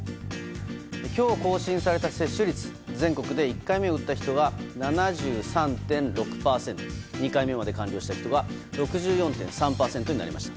今日、更新された接種率全国で１回目を打った人が７３．６％２回目まで完了した人が６４．３％になりました。